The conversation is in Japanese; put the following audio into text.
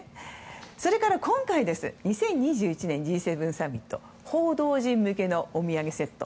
それから今回、２０２１年のＧ７サミットでの報道陣向けのお土産セット。